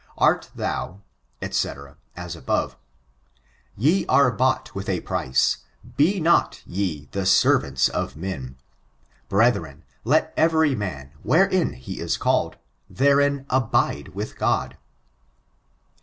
Art thou," &c., as above. " Ye are bought with a price, be not ye the servants of men. Brethren, let every man, wherein he is called, therein abide with God."